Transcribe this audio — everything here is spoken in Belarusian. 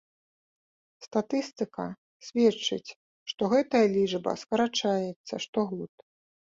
Статыстыка сведчыць, што гэтая лічба скарачаецца штогод.